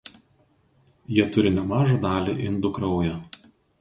Jie turi nemažą dalį indų kraujo.